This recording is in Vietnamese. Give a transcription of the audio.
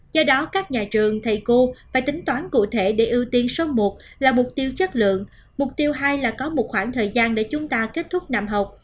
do đó các nhà trường thầy cô phải tính toán cụ thể để ưu tiên số một là mục tiêu chất lượng mục tiêu hai là có một khoảng thời gian để chúng ta kết thúc năm học